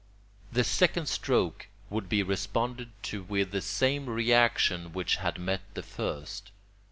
The second stroke would be responded to with the same reaction which had met the first.